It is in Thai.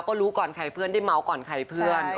ก็รู้ก่อนใครเพื่อนได้เมาส์ก่อนใครเพื่อน